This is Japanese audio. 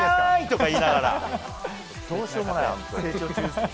どうしようもないよ。